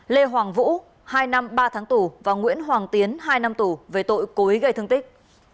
lê hoàng vũ hai năm ba tháng tù và nguyễn hoàng tiến hai năm tù về tội cố ý gây thương tích